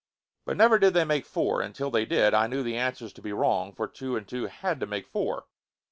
But never did they make four, and till they did, I knew the answers to be wrong, for two and two had to make four.